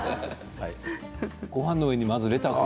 ごはんの上に、まずレタス。